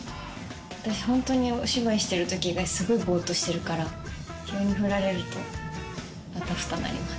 私ホントにお芝居してる時以外すごいボっとしてるから急にふられるとあたふたなります。